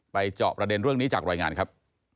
เจาะประเด็นเรื่องนี้จากรายงานครับ